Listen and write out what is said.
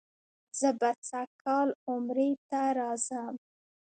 زه به سږ کال عمرې ته راځم.